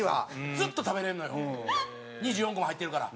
ずっと食べれるのよ２４個も入ってるから。